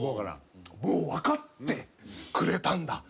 もう分かってくれたんだ